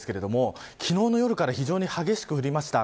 昨日の夜から非常に激しく降りました。